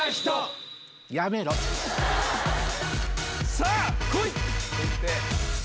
さぁ来い！